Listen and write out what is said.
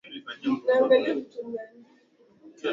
ulikuwa na fursa ya kuchagua nini cha kusoma kutazama na kusikiliza